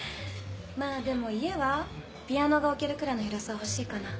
まぁでも家はピアノが置けるくらいの広さは欲しいかな。